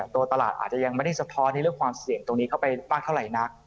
ตัวตลาดอาจจะยังไม่ได้สะท้อนในเรื่องความเสี่ยงตรงนี้เข้าไปมากเท่าไหร่นัก